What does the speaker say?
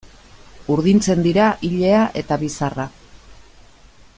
Urdintzen dira ilea eta bizarra.